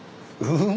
うん。